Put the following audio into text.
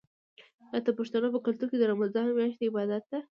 د پښتنو په کلتور کې د رمضان میاشت د عبادت ده.